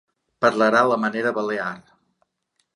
Parlarà a la manera balear.